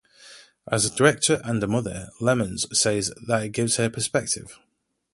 As a director and a mother, Lemmons says that it gives her perspective.